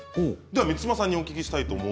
では満島さんにお聞きします。